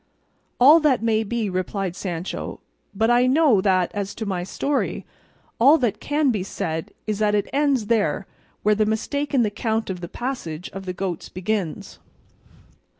"All that may be," replied Sancho, "but I know that as to my story, all that can be said is that it ends there where the mistake in the count of the passage of the goats begins."